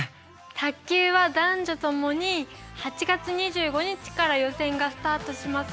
卓球は男女共に８月２５日から予選がスタートします。